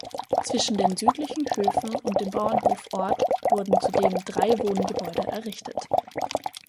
Zwischen den südlichen Höfen und dem Bauernhof Ort wurden zudem drei Wohngebäude errichtet.